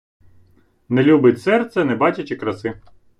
Не любить серце, не бачачи краси.